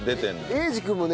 英二君もね